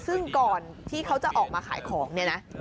ซึ่งก่อนที่เขาจะออกมาขายของเนี่ยนะ